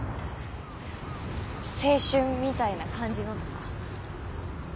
青春みたいな感じのとか。